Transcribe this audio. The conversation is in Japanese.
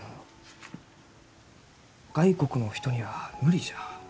外国のお人には無理じゃ。